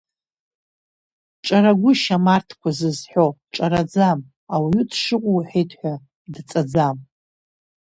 Ҿарагәышьам арҭқәа зызҳәоу, ҿараӡам, ауаҩы дшыҟоу уҳәеит ҳәа, дҵаӡам.